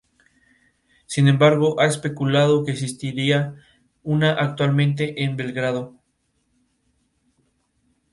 Sin embargo, ha especulado que existiría una actualmente en Belgrado.